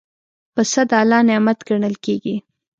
پسه د الله نعمت ګڼل کېږي.